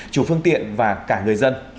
chủ phương tiện và cả người dân